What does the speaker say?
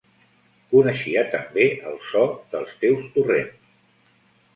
Coneixia també el so dels teus torrents